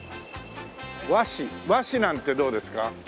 和紙和紙なんてどうですか？